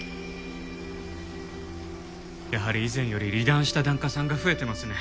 やはり以前より離檀した檀家さんが増えてますね。